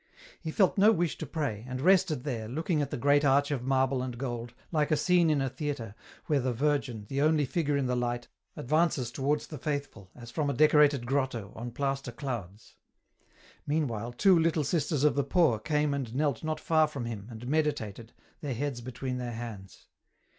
He felt no wish to pray, and rested there, looking at the great arch of marble and gold, like a scene in a theatre, where the Virgin, the only figure in the light, advances towards the faithful, as from a decorated grotto, on plaster clouds. Meanwhile two Little Sisters of the Poor came and knelt not far from him, and meditated, their heads between their hands.